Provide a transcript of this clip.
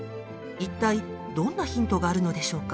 一体どんなヒントがあるのでしょうか？